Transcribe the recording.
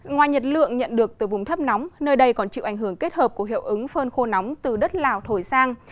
ngoài nhiệt lượng nhận được từ vùng thấp nóng nơi đây còn chịu ảnh hưởng kết hợp của hiệu ứng phơn khô nóng từ đất lào thổi sang